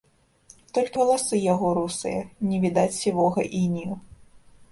Толькі валасы яго русыя, не відаць сівога інею.